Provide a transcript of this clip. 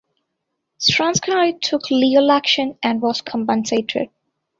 Stransky took legal action and was compensated.